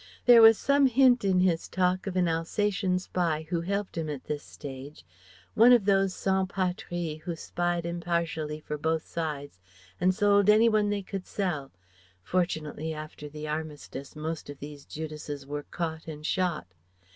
There was some hint in his talk of an Alsatian spy who helped him at this stage, one of those "sanspatries" who spied impartially for both sides and sold any one they could sell (Fortunately after the Armistice most of these Judases were caught and shot).